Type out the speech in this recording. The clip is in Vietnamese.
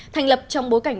thành lập trong bối cảnh